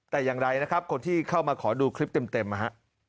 แต่อย่างไรนะครับคนที่เข้ามาขอดูคลิปเต็มนะฮะ